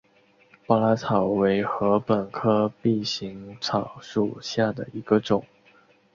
巴拉草为禾本科臂形草属下的一个种。